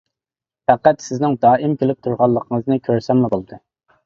پەقەت سىزنىڭ دائىم كۈلۈپ تۇرغانلىقىڭىزنى كۆرسەملا بولدى.